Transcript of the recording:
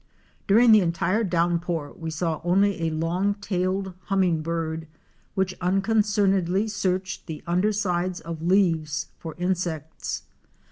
During the entire downpour we saw only a Long tailed Hummingbird " which unconcernedly searched the under sides of leaves for insects.